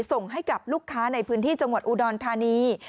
ส่งให้กับลูกค้าในพื้นที่จังหวัดอุดรธานี